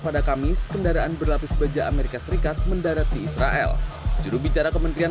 pada kamis kendaraan berlapis baja amerika serikat mendarat di israel jurubicara kementerian